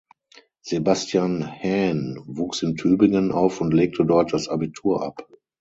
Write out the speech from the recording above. Sebastian Haen wuchs in Tübingen auf und legte dort das Abitur ab.